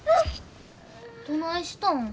どないしたん？